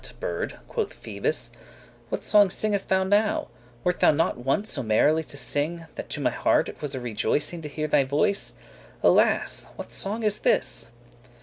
bird," quoth Phoebus, "what song sing'st thou now? Wert thou not wont so merrily to sing, That to my heart it was a rejoicing To hear thy voice? alas! what song is this?"